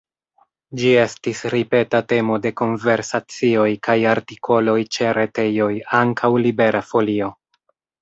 Ĝi estis ripeta temo de konversacioj kaj artikoloj ĉe retejoj, ankaŭ Libera Folio.